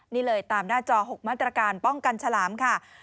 นี่เลยตามหน้าจอ๖มาตรการป้องกันฉลามค่ะ